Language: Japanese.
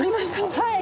はい！